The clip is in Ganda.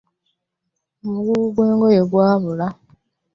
Omugugu gwe ngoye gwabula .